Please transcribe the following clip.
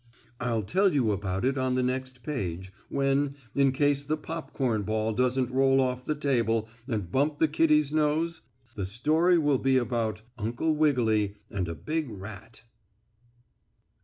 I'll tell you about it on the next page, when, in case the popcorn ball doesn't roll off the table and bump the kittie's nose, the story will be about Uncle Wiggily and a big rat.